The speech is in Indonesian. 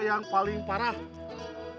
yang paling tidak bisa dikutuk